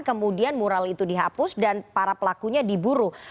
kemudian mural itu dihapus dan para pelakunya diburu